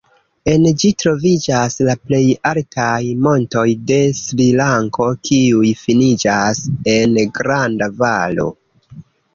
En ĝi troviĝas la plej altaj montoj de Srilanko kiuj finiĝas en granda valo.